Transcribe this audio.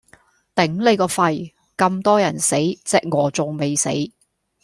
頂你個肺，咁多人死隻鵝仲未死